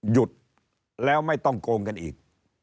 หยุดแล้วไม่ต้องโกงกันอีก